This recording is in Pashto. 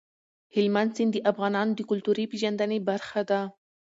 هلمند سیند د افغانانو د کلتوري پیژندنې برخه ده.